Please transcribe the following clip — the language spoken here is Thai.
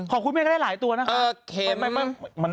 คุณแม่ก็ได้หลายตัวนะคะ